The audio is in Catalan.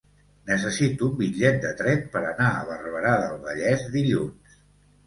Necessito un bitllet de tren per anar a Barberà del Vallès dilluns.